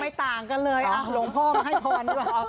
ไม่ต่างกันเลยหลวงพ่อมาให้พรด้วย